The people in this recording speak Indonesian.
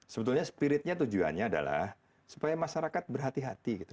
sebetulnya spiritnya tujuannya adalah supaya masyarakat berhati hati gitu